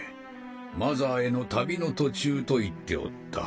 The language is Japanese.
マザーへの旅の途中と言っておった。